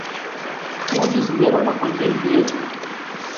Ur nezmir ad neqqel d imedyazen.